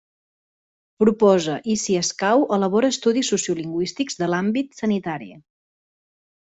Proposa i, si escau, elabora estudis sociolingüístics de l'àmbit sanitari.